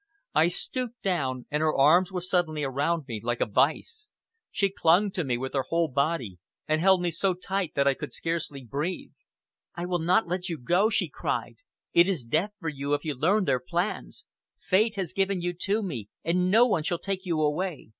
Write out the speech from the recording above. I stooped down, and her arms were suddenly around me like a vise. She clung to me with her whole body, and held me so that I could scarcely breathe. "I will not let you go," she cried. "It is death for you if you learn their plans. Fate has given you to me, and no one shall take you away.